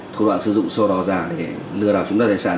thủ đoạn sử dụng sổ đỏ giả để lừa đảo chúng ta tài sản